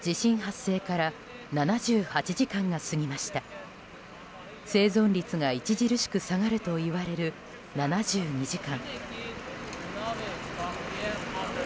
生存率が著しく下がるといわれる７２時間。